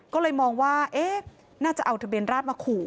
ก็เลยมองว่าน่าจะเอาทะเบียนราชมาขู่